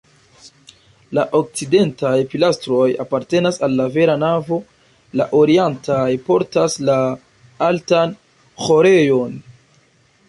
La okcidentaj pilastroj apartenas al la vera navo, la orientaj portas la altan ĥorejon.